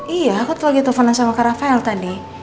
iya aku tuh lagi telfonan sama rafael tadi